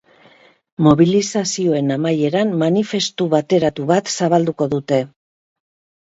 Mobilizazioen amaieran, manifestu bateratu bat zabalduko dute.